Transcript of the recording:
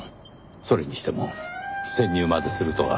それにしても潜入までするとは大胆な。